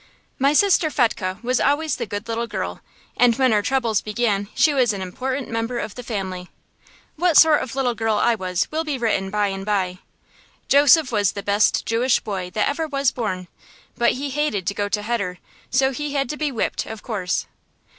My sister Fetchke was always the good little girl, and when our troubles began she was an important member of the family. What sort of little girl I was will be written by and by. Joseph was the best Jewish boy that ever was born, but he hated to go to heder, so he had to be whipped, of course.